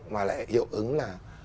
mà lại hiệu ứng là